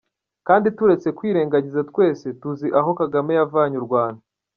kandi turetse kwirengagiza twese tuzi aho kagame yavanye urwanda.